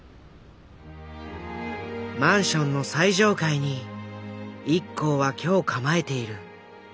マンションの最上階にＩＫＫＯは居を構えている。